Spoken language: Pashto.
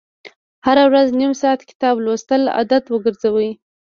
هره ورځ نیم ساعت کتاب لوستل عادت وګرځوئ.